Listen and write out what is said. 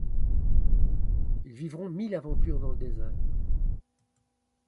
Ils vivront mille aventures dans le désert.